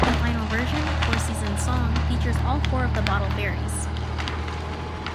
The final version, "Four Seasons Song", features all four of the Bottle Fairies.